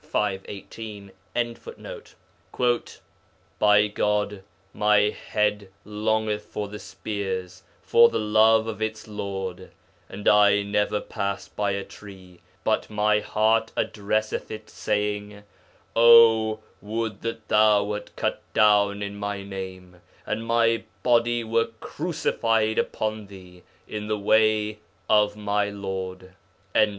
518.] 'By God, my head longeth for the spears for the love of its Lord, and I never pass by a tree but my heart addresseth it [saying], 'Oh would that thou wert cut down in my name, and my body were crucified upon thee in the way of my Lord!'